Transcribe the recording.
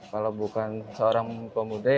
kalau bukan seorang pemuda